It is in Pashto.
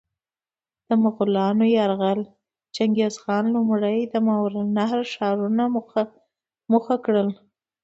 د مغولانو یرغل: چنګیزخان لومړی د ماورالنهر ښارونه موخه کړل.